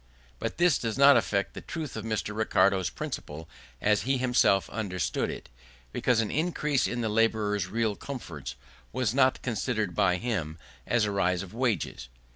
But this does not affect the truth of Mr. Ricardo's principle as he himself understood it; because an increase of the labourer's real comforts was not considered by him as a rise of wages.